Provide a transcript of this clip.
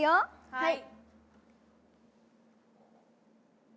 はい。